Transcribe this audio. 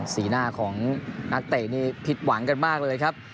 สีหน้าของนักเตะนี่ผิดหวังกันมากเลยครับ